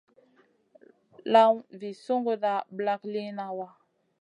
Lawna vi sunguda ɓlak liyna wa.